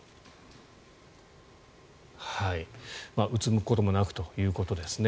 うつむくこともなくということですね。